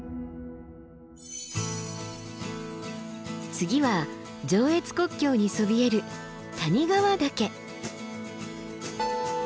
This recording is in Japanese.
次は上越国境にそびえる谷川岳。